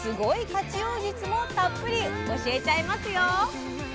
活用術もたっぷり教えちゃいますよ！